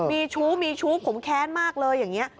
มีชุบผมแค้นมากเลยอย่างนี้